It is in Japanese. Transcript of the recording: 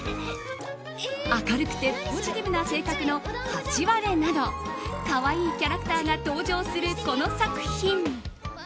明るくてポジティブな性格のハチワレなど可愛いキャラクターが登場するこの作品。